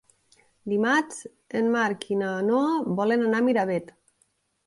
Dimarts en Marc i na Noa volen anar a Miravet.